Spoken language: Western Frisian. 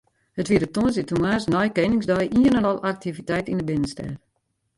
It wie de tongersdeitemoarns nei Keningsdei ien en al aktiviteit yn de binnenstêd.